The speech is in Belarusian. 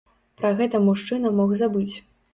Пра гэта мужчына мог забыць.